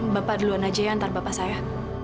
bapak duluan aja ya antar bapak saya